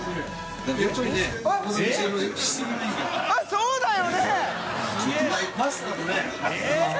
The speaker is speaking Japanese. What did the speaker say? ┐そうだよね？